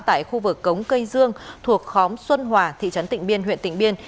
tại khu vực cống cây dương thuộc khóm xuân hòa thị trấn tịnh biên huyện tỉnh biên